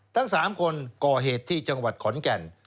ทั้ง๓คนก่อเหตุที่จังหวัดขอนแก่น